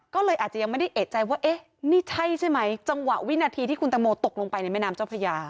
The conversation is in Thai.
ก็เลยอาจจะยังไม่ได้เอกใจว่าเอ๊ะนี่ใช่ใช่ไหมจังหวะวินาทีที่คุณตังโมตกลงไปในแม่น้ำเจ้าพระยา